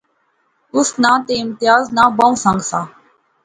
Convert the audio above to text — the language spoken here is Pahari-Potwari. اس ناں تہ امتیاز ناں بہوں سنگ سا